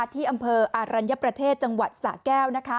ที่เอิมเภออารัญประเทศจังหวัดศาสตร์แก้ว